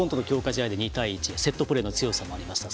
試合で２対１セットプレーの強さもありました。